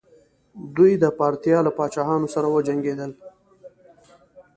دوی د پارتیا له پاچاهانو سره وجنګیدل